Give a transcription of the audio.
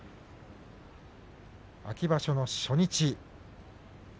秋場所の初日。